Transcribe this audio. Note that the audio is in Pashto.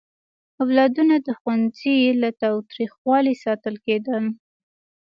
اولادونه د ښوونځي له تاوتریخوالي ساتل کېدل.